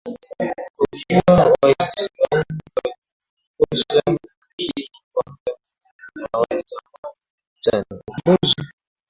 Kwa kuwa Waisraeli walikosa manabii kwa muda mrefu na walitamani sana ukombozi